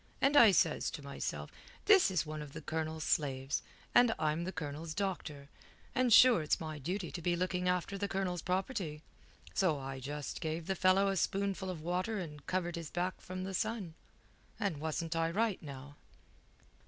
And I says to myself, this is one of the Colonel's slaves, and I'm the Colonel's doctor, and sure it's my duty to be looking after the Colonel's property. So I just gave the fellow a spoonful of water and covered his back from the sun. And wasn't I right now?"